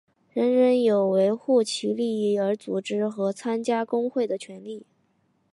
人人有为维护其利益而组织和参加工会的权利。